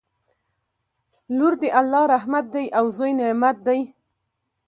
لور د الله رحمت دی او زوی نعمت دی